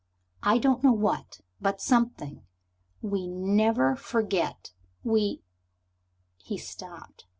I don't know what, but something. We never forget, we " He stopped.